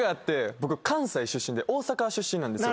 僕関西出身で大阪出身なんですよ。